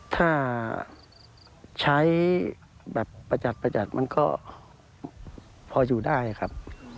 ถ้าใช้ประจัดมันก็พออยู่ได้ครับ